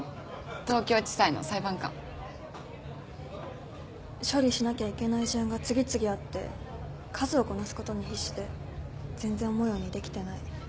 東京地裁の裁判官。処理しなきゃいけない事案が次々あって数をこなすことに必死で全然思うようにできてない。